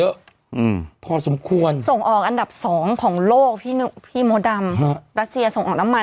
อืมพอสมควรส่งออกอันดับสองของโลกพี่พี่มดดำฮะรัสเซียส่งออกน้ำมัน